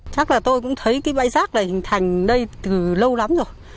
chắc là tôi cũng thấy cái bãi rác này hình thành đây từ lâu lắm rồi